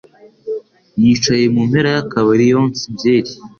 yicaye ku mpera y'akabari, yonsa byeri.